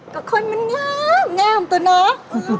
ก็คนมันง่าง่าของตัวน้อง